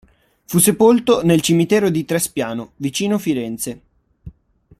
Fu sepolto nel cimitero di Trespiano, vicino Firenze.